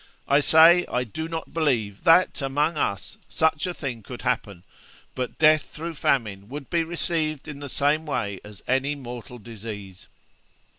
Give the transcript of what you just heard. I say, I do not believe that, among us, such a thing could happen, but death through famine would be received in the same way as any mortal disease.'